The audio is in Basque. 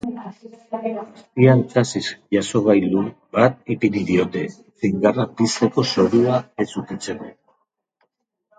Azpian txasis jasogailu bat ipini diote, txingarrak pizteko zorua ez ukitzeko.